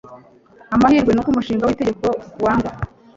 Amahirwe nuko umushinga witegeko wangwa